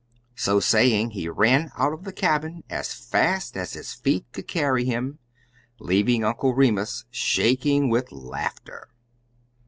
So saying, he ran out of the cabin as fast as his feet could carry him, leaving Uncle Remus shaking with laughter.